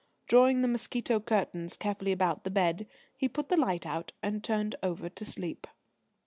Drawing the mosquito curtains carefully about the bed, he put the light out and turned over to sleep.